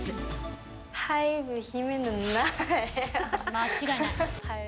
間違いない！